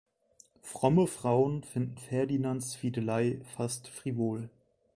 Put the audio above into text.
Fromme Frauen finden Ferdinands Fiedelei fast frivol.